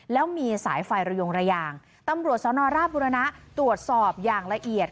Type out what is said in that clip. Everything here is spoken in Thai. แล้วมีสายไฟระยงระยางตำรวจสนราชบุรณะตรวจสอบอย่างละเอียด